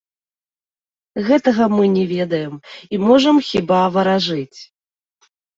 Гэтага мы не ведаем, і можам, хіба, варажыць.